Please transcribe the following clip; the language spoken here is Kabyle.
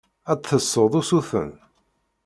Ad d-tessuḍ usuten.